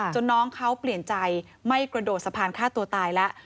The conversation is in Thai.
น้องเขาเปลี่ยนใจไม่กระโดดสะพานฆ่าตัวตายแล้ว